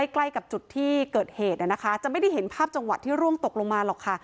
ใกล้กับจุดที่เกิดเหตุจะไม่ได้เห็นภาพจังหวะที่ร่วงตกลงมาหรอกค่ะ